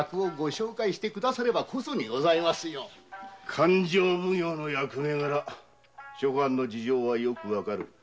勘定奉行の役目がら諸藩の事情はよく分かる。